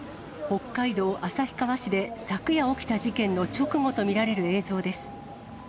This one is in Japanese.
北海道旭川市で昨夜起きた事件の直後と見られる映像です。